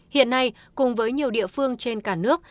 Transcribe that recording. hiện nay cùng với nhiều địa phương trên cả nước